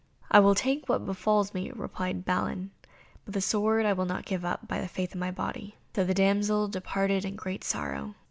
"I will take what befalls me," replied Balin, "but the sword I will not give up, by the faith of my body." So the damsel departed in great sorrow.